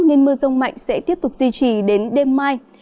nên mưa rông mạnh sẽ tiếp tục duy trì đến đêm mai